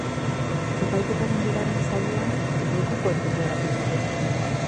Epaiketaren bigarren saioan lekukoek deklaratu dute.